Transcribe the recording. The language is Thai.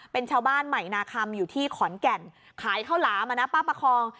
เป็นชาวบ้านใหม่นาคำอยู่ที่ขอนแก่นขายข้าวหลามอ่ะนะป้าประคอง